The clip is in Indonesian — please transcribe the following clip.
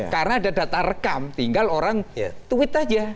karena ada data rekam tinggal orang tweet aja